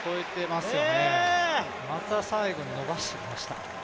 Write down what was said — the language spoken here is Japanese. また最後に伸ばしてきました。